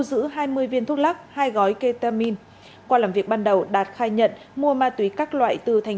giữ hai mươi viên thuốc lắc hai gói ketamin qua làm việc ban đầu đạt khai nhận mua ma túy các loại từ thành